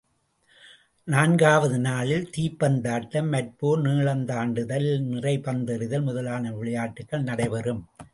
நான்காவது நாளில் தீப்பந்தாட்டம், மற்போர், நீளத்தாண்டுதல், நிறைப்பந்தெறிதல் முதலான விளையாட்டுக்கள் நடைபெறும்.